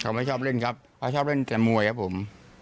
เขาไม่ชอบเล่นครับเขาชอบเล่นแต่มวยครับผม